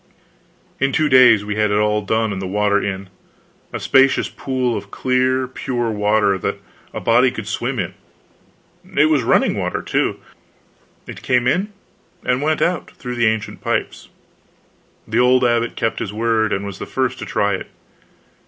In two days we had it all done and the water in a spacious pool of clear pure water that a body could swim in. It was running water, too. It came in, and went out, through the ancient pipes. The old abbot kept his word, and was the first to try it.